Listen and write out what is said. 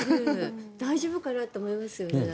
大丈夫かなって思いますよね。